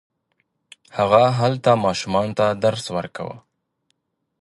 هغه هلته ماشومانو ته درس ورکاوه.